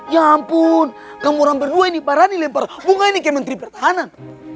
ya ampun kamu orang berdua ini parah nih lempar bunga ini kayak menteri pertahanan